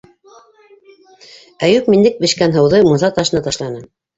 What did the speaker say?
Әйүп миндек бешкән һыуҙы мунса ташына ташланы.